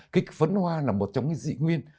cái phấn hoa là một trong những dị nguyên